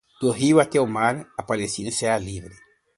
Do Rio até o Mar, a Palestina será livre!